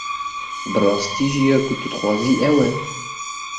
Bi rastî jî ya ku tu dixwazî ew e?